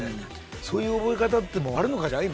そういう覚え方ってのもあるのかしら今。